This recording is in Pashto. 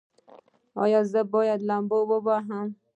ایا زه باید لامبو ووهم؟